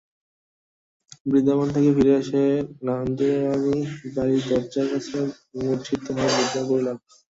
বৃন্দাবন থেকে ফিরে এসে নন্দরানী বাড়ির দরজার কাছে মূর্ছিত হয়ে লুটিয়ে পড়লেন।